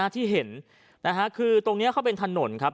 ที่เห็นคือตรงนี้เขาเป็นถนนครับ